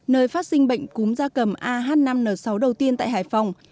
nơi phát sinh bệnh cúm da cầm ah năm n sáu đầu tiên tại hải phòng